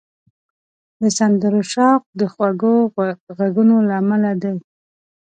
د سندرو شوق د خوږو غږونو له امله دی